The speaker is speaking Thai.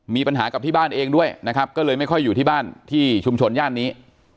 มีปัญหากับที่บ้านเองด้วยนะครับก็เลยไม่ค่อยอยู่ที่บ้านที่ชุมชนย่านนี้